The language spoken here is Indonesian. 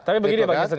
tapi begini pak janssen